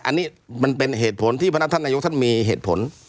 อันนี้มันเป็นเหตุผลที่พนักท่านนายกท่านมีเหตุผล